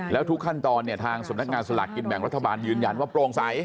แล้วทุกขั้นตอนเนี่ยทางสำนักงานสลากกินแบ่งรัฐบาลยืนยันว่าโปร่งใส